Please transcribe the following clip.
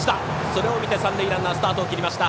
それを見て三塁ランナー、スタート。